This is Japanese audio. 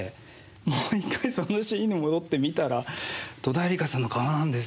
もう一回そのシーンに戻って見たら戸田恵梨香さんの顔なんですよ。